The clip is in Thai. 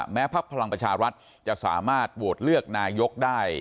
พักพลังประชารัฐจะสามารถโหวตเลือกนายกได้